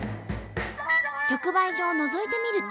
直売所をのぞいてみると。